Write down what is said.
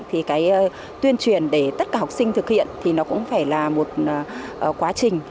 thì cái tuyên truyền để tất cả học sinh thực hiện thì nó cũng phải là một quá trình